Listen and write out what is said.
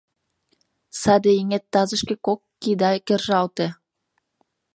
Саде еҥет тазышке кок кида кержалте.